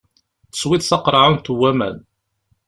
Teswiḍ taqeṛɛunt n waman.